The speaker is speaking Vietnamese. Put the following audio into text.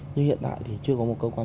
nhưng hiện tại thì chưa có một cơ quan